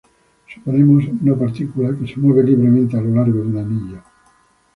Suponemos una partícula que se mueve libremente a lo largo de un anillo.